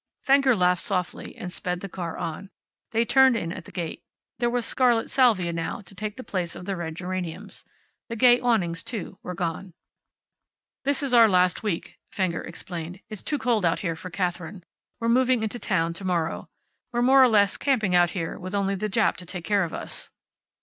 Fenger laughed softly and sped the car on. They turned in at the gate. There was scarlet salvia, now, to take the place of the red geraniums. The gay awnings, too, were gone. "This is our last week," Fenger explained. "It's too cold out here for Katherine. We're moving into town to morrow. We're more or less camping out here, with only the Jap to take care of us."